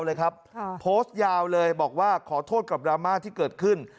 แบทดียาวเลยบอกว่าขอโทษกับราม่าที่เกิดขึ้น